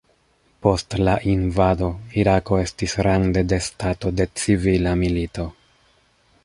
Post la invado, Irako estis rande de stato de civila milito.